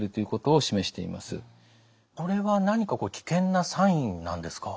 これは何か危険なサインなんですか？